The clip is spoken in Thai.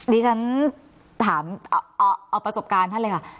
ดิฉันถามเอาประสบการณ์ท่านเลยค่ะ